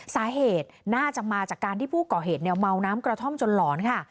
สาเหตุน่าจะมาจากการที่ผู้ก่อเหตุเมาน้ำกระท่อมจนหลอนค่ะ